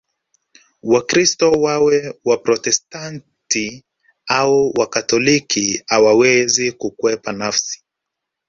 Wakristo wawe Waprotestanti au Wakatoliki hawawezi kukwepa nafsi